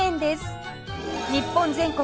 日本全国